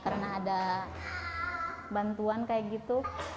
karena ada bantuan kayak gitu